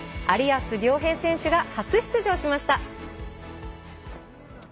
有安諒平選手が初出場しました。